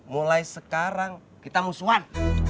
mulai sekarang kita musuhan